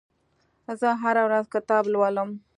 زه هره ورځ کتاب لولم.